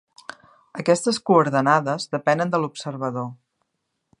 Aquestes coordenades depenen de l'observador.